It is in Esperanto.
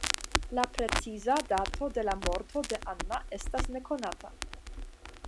La preciza dato de la morto de Anna estas nekonata.